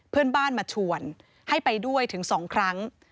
เพื่อนบ้านมาชวนให้ไปด้วยถึง๒ครั้ง